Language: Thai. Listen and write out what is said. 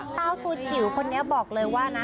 เจ้าตัวจิ๋วคนนี้บอกเลยว่านะ